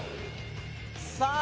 さあ